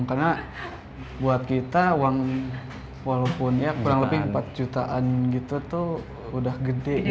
karena buat kita uang walaupun ya kurang lebih empat jutaan gitu tuh udah gede gitu